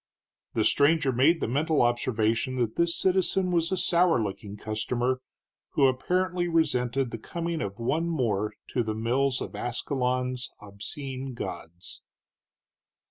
The stranger made the mental observation that this citizen was a sour looking customer, who apparently resented the coming of one more to the mills of Ascalon's obscene gods.